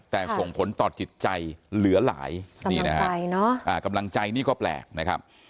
แต่ส่งผลต่อจิตใจเหลือหลายนี่นะฮะกำลังใจนี่ก็แปลกนะครับ